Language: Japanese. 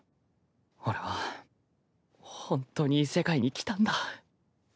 俺はホントに異世界に来たんだ。